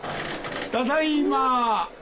ただいま。